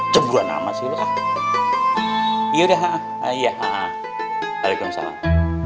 cemburan amat silahkan yudha ayah alaikum salam